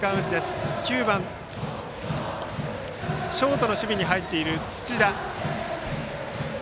バッターは９番ショートの守備に入っている土田。